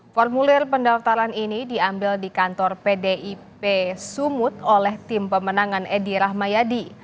formulir pendaftaran ini diambil di kantor pdip sumut oleh tim pemenangan edi rahmayadi